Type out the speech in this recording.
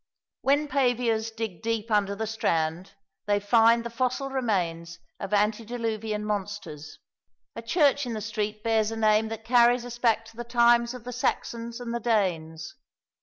When paviours dig deep under the Strand they find the fossil remains of antediluvian monsters. A church in the street bears a name that carries us back to the times of the Saxons and the Danes.